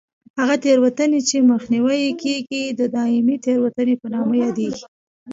هغه تېروتنې چې مخنیوی یې کېږي د دایمي تېروتنې په نامه یادېږي.